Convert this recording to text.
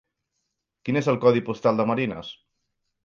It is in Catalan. Quin és el codi postal de Marines?